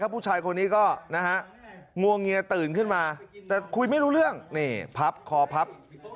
ผู้ชายคนนี้ก็นะฮะงวงเงียตื่นขึ้นมาแต่คุยไม่รู้เรื่องนี่พับคอพับ